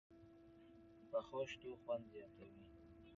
پخو شتو خوند زیات وي